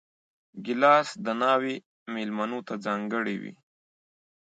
ګیلاس د ناوې مېلمنو ته ځانګړی وي.